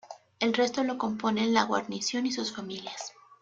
El resto lo componen la guarnición y sus familias.